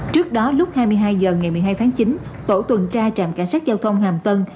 trước đó lúc hai mươi hai h ngày một mươi hai tháng chín tổ tuần tra trạm cảnh sát giao thông hàm tân